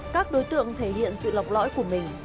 các đối tượng thể hiện sự lọc lõi của mình